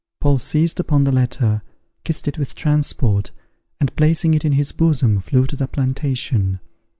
Paul seized upon the letter, kissed it with transport, and placing it in his bosom, flew to the plantation.